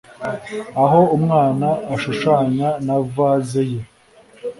Aho umwana ashushanya na vase ye